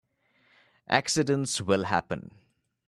Accidents will happen.